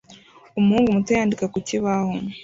Umuhungu muto yandika ku kibaho